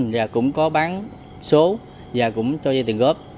và cũng có bán số và cũng cho vay tiền góp